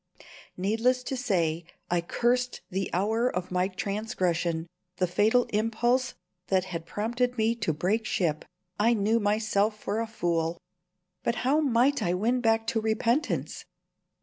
Needless to say, I cursed the hour of my transgression, the fatal impulse that had prompted me to break ship. I knew myself for a fool; but how might I win back to repentance?